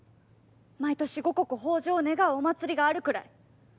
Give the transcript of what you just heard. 毎年五穀豊穣を願うお祭りがあるくらい。